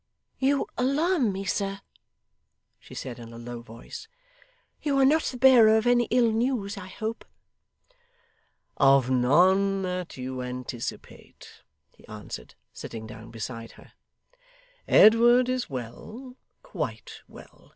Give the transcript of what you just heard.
'You alarm me, sir,' she said in a low voice. 'You are not the bearer of any ill news, I hope?' 'Of none that you anticipate,' he answered, sitting down beside her. 'Edward is well quite well.